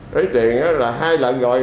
cái tiền là hai lần rồi